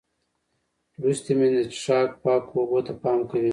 لوستې میندې د څښاک پاکو اوبو ته پام کوي.